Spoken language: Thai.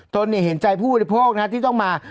ตนเนี่ยเห็นใจผู้บริโภคนะครับที่ต้องมา